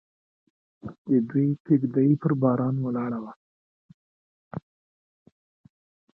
د دوی کږدۍ پر بارانه ولاړه وه.